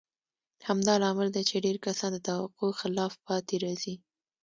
همدا لامل دی چې ډېر کسان د توقع خلاف پاتې راځي.